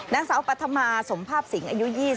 นักเสาปัธมาสมภาพสิงค์อายุ๒๘ปี